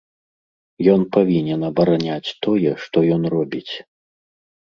Ён павінен абараняць тое, што ён робіць!